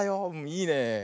いいねえ。